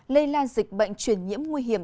lây lan dịch bệnh truyền nhiễm nguy hiểm